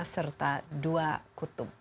serta dua kutub